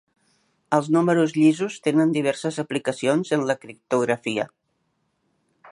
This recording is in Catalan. Els números llisos tenen diverses aplicacions en la criptografia.